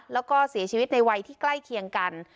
แล้วก็เสียชีวิตในวัยที่ใกล้เคียงกัน